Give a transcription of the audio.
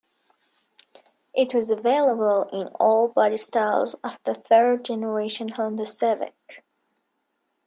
It was available in all bodystyles of the third generation Honda Civic.